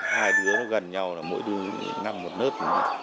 hai đứa nó gần nhau là mỗi đứa nằm một nớp